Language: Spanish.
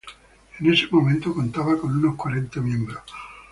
En ese momento contaba con unos cuarenta miembros.